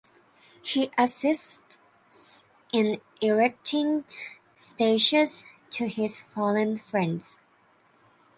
He assists in erecting statues to his fallen friends.